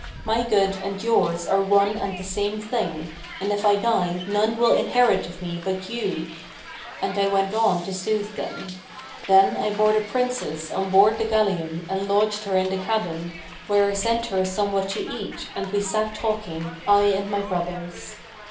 My good and yours are one and the same thing, and if I die none will inherit of me but you.' And I went on to soothe them. Then I bore the Princess on board the galleon and lodged her in the cabin, where I sent her somewhat to eat and we sat talking, I and my brothers.